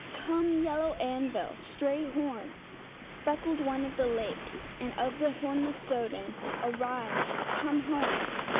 Come yellow Anvil, stray horns, Speckled one of the lake, And of the hornless Dodin, Arise, come home.